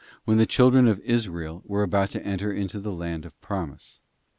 to Josue when the children of Israel were about to enter into the land of promise.